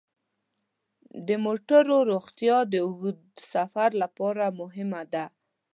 د موټرو روغتیا د اوږد سفر لپاره مهمه ده.